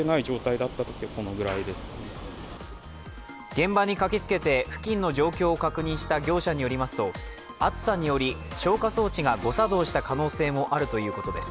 現場に駆けつけて付近の状況を確認した業者によりますと、暑さにより消火装置が誤作動した可能性もあるということです。